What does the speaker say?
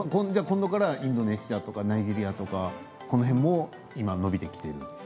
インドネシアとかナイジェリアとか、こういう国も今、伸びてきている。